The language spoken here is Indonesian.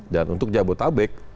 dan untuk jabodetabek